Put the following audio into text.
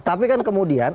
tapi kan kemudian